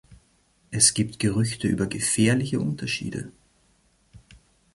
Es gibt Gerüchte über gefährliche Unterschiede.